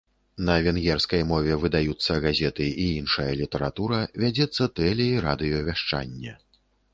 На венгерскай мове выдаюцца газеты і іншая літаратура, вядзецца тэле- і радыёвяшчанне.